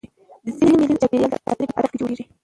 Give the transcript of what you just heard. ځيني مېلې د چاپېریال د ساتني په هدف جوړېږي.